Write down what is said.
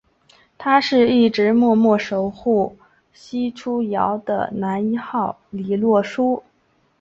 他是一直默默守护黎初遥的男一号李洛书！